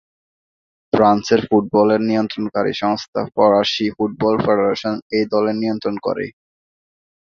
ফ্রান্সের ফুটবলের নিয়ন্ত্রণকারী সংস্থা ফরাসি ফুটবল ফেডারেশন এই দলের নিয়ন্ত্রণ করে।